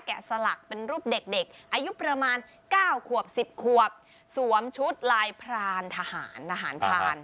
แกะสลักเป็นรูปเด็กอายุประมาณ๙๑๐ขวบสวมชุดลายพรานทหาร